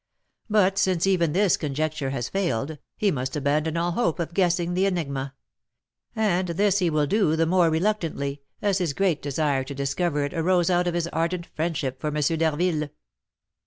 But, since even this conjecture has failed, he must abandon all hope of guessing the enigma; and this he will do the more reluctantly, as his great desire to discover it arose out of his ardent friendship for M. d'Harville."